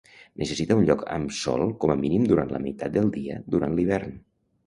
Necessita un lloc amb Sol com a mínim durant la meitat del dia durant l'hivern.